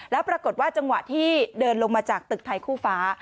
แล้วปรากฏว่าจังหวะที่เดินลงมาจากตึกไทยคู่ฟ้า